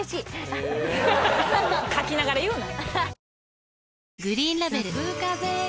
かきながら言うな。